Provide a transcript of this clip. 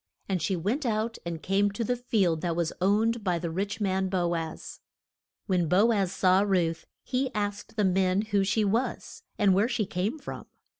And she went out and came to the field that was owned by the rich man, Bo az. When Bo az saw Ruth he asked the men who she was, and where she came from.